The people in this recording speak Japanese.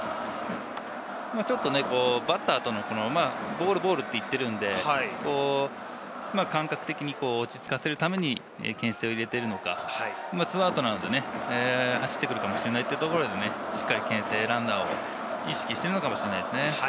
ちょっとバッターとのボール、ボールと言っているんで、感覚的に落ち着かせるために、けん制を入れているのか、２アウトなので、走ってくるかもしれないというところで、しっかりけん制ランナーを意識しているのかもしれないですね。